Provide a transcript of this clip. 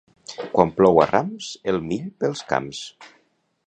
Quan plou a rams, el mill pels camps.